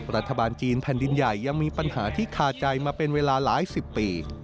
รัฐบาลจีนแผ่นดินใหญ่ยังมีปัญหาที่คาใจมาเป็นเวลาหลายสิบปี